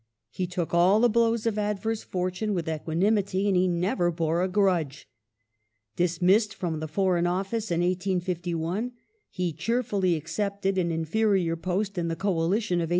He took all the blows of advei*se fortune with equanimity, and he never bore a grudge. Dismissed from the Foreign Office in 1851, he cheer fully accepted an inferior post in the Coalition of 1852.